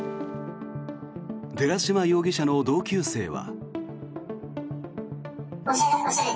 寺島容疑者の同級生は。